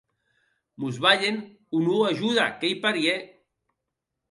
Mos balhen o non ajuda, qu’ei parièr!